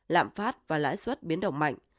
lạm phát và lãi suất biến động mạnh